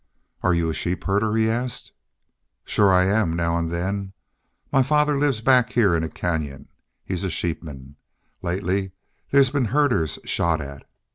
"Are you a sheep herder?" he asked. "Shore I am now an' then. My father lives back heah in a canyon. He's a sheepman. Lately there's been herders shot at.